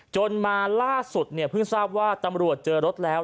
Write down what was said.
จนมาล่าสุดเนี่ยเพิ่งทราบว่าตำรวจเจอรถแล้ว